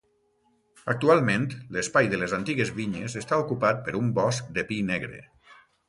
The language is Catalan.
Actualment l'espai de les antigues vinyes està ocupat per un bosc de pi negre.